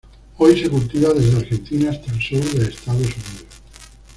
Hoy se cultiva desde Argentina hasta el sur de Estados Unidos.